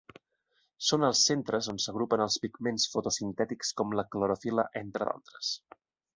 Són els centres on s'agrupen els pigments fotosintètics com la clorofil·la entre d'altres.